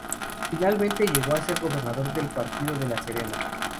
Finalmente, llegó a ser gobernador del partido de La Serena.